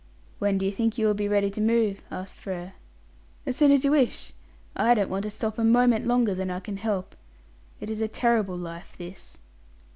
"When do you think you will be ready to move?" asked Frere. "As soon as you wish. I don't want to stop a moment longer than I can help. It is a terrible life, this."